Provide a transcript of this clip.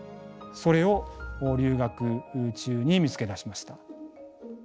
それを留学中に見つけ出しました。